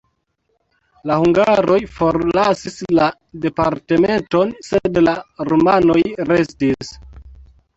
La hungaroj forlasis la departementon, sed la rumanoj restis.